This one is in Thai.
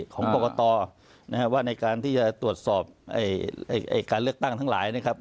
ของกรกตนะครับว่าในการที่จะตรวจสอบการเลือกตั้งทั้งหลายนะครับ